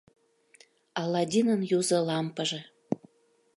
— Аладдинын юзо лампыже...